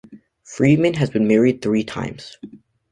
Friedman has been married three times.